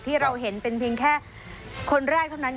ที่เราเห็นเป็นเพียงแค่คนแรกเท่านั้น